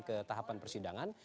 ke tahapan persidangan